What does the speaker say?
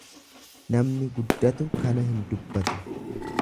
Namni guddatu kana hin dubbatu.